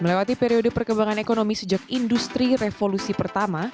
melewati periode perkembangan ekonomi sejak industri revolusi pertama